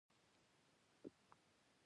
د کاناډا په شمال کې ژوند ګران دی.